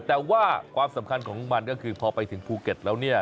แต่ว่าความสำคัญของมันก็คือพอไปถึงภูเก็ตแล้วเนี่ย